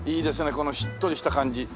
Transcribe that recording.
このしっとりした感じ。